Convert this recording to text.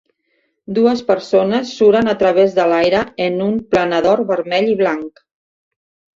Dues persones suren a través de l'aire en un planador vermell i blanc.